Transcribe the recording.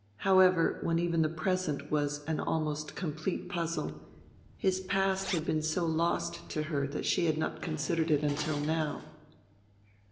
However, when even the present was an almost complete puzzle his past had been so lost to her that she had not considered it until now.